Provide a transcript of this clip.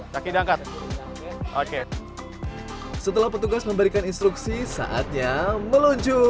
kaki diangkat oke setelah petugas memberikan instruksi saatnya meluncur